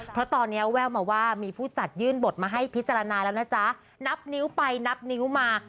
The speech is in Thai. เพราะตอนนี้แววมาว่ามีผู้จัดยื่นบทมาให้พิจารณาแล้วนะจ๊ะนับนิ้วไปนับนิ้วมา